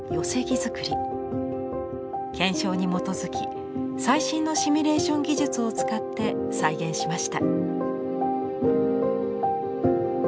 検証に基づき最新のシミュレーション技術を使って再現しました。